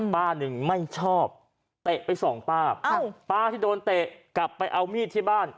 ป้าหนึ่งไม่ชอบเตะไปสองป้าป้าที่โดนเตะกลับไปเอามีดที่บ้าน